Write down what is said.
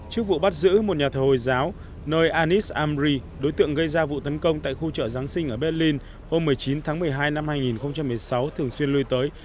trước vụ bắt giữ một nhà thờ hồi giáo nơi anis amri đối tượng gây ra vụ tấn công tại khu chợ giáng sinh ở berlin hôm một mươi chín tháng một mươi hai năm hai nghìn một mươi sáu thường xuyên lui tới